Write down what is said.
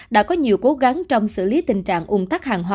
đã có nhiều cố gắng trong xử lý tình trạng ung tắc hàng hóa